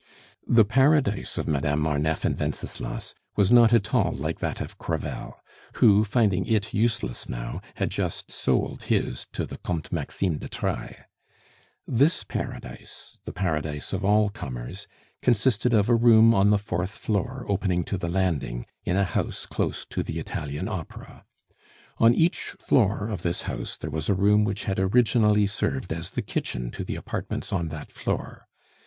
The paradise of Madame Marneffe and Wenceslas was not at all like that of Crevel who, finding it useless now, had just sold his to the Comte Maxime de Trailles. This paradise, the paradise of all comers, consisted of a room on the fourth floor opening to the landing, in a house close to the Italian Opera. On each floor of this house there was a room which had originally served as the kitchen to the apartments on that floor.